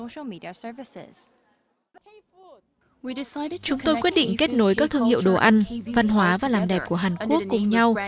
chúng tôi quyết định kết nối các thương hiệu đồ ăn văn hóa và làm đẹp của hàn quốc cùng nhau